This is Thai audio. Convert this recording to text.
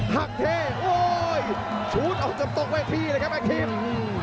หักเทโอ้โหชูตออกจากตกแว่ที่เลยครับอาคกีฟ